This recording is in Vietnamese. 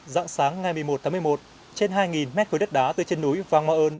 dạng sáng ngày một mươi một tháng một mươi một trên hai mét khối đất đá từ trên núi vang ma ơn